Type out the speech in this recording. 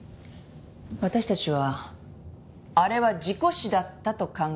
私たちはあれは事故死だったと考えています。